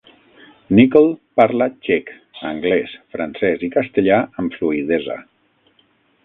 Nykl parla txec, anglès, francès i castellà amb fluïdesa.